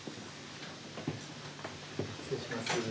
失礼します。